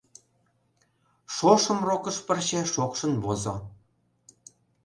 Шошым рокыш пырче шокшын возо.